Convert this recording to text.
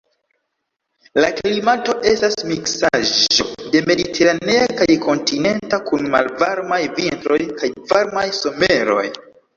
La klimato estas miksaĵo de mediteranea kaj kontinenta, kun malvarmaj vintroj kaj varmaj someroj.